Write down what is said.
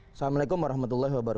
assalamualaikum warahmatullah wabarakatuh